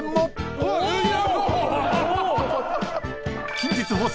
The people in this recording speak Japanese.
［近日放送］